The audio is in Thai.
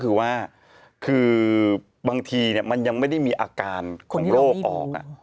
คือว่าคือบางทีมันยังไม่ได้มีอาการของโรคออก